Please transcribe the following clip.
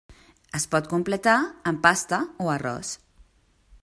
Es pot completar amb pasta o arròs.